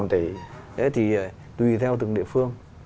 thế thì tùy theo từng địa phương